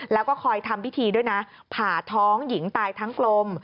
แล้วก็คอยทำพิธีด้วยนะผ่าท้องหญิงตายทั้งกลม